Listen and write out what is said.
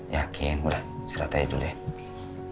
yakin udah istirahat aja dulu ya